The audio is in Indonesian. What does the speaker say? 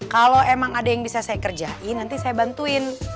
kalau emang ada yang bisa saya kerjain nanti saya bantuin